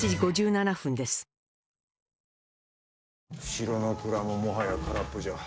城の蔵ももはや空っぽじゃ。